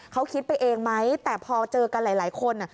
เขาคิดไปเองไหมแต่พอเจอกันหลายคน